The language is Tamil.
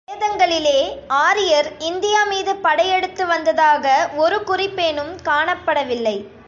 வேதங்களிலே, ஆரியர் இந்தியா மீது படையெடுத்து வந்ததாக ஒரு குறிப்பேனும் காணப்படவில்லை.